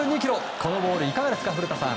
このボールいかがですか古田さん。